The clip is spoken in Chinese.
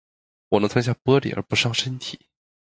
我能吞下玻璃而不伤身体